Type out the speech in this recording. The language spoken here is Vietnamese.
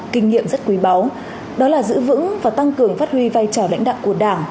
kinh nghiệm rất quý báu đó là giữ vững và tăng cường phát huy vai trò lãnh đạo của đảng